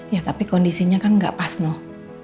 ya tapi kondisinya kan gak pas noh